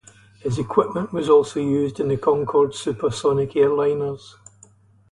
His equipment was also used in the Concorde supersonic airliners.